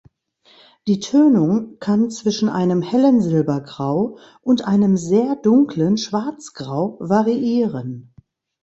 Die Tönung kann zwischen einem hellen Silbergrau und einem sehr dunklen Schwarzgrau variieren.